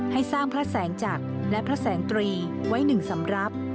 ให้สร้างพระแสงจักรและพระแสงตรีไว้หนึ่งสำรับ